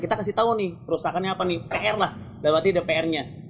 kita kasih tau nih kerusakannya apa nih pr lah berarti ada pr nya